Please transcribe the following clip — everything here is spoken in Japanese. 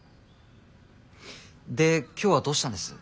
で今日はどうしたんです？